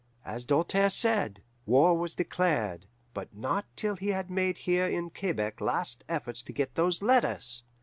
As Doltaire said, war was declared, but not till he had made here in Quebec last efforts to get those letters.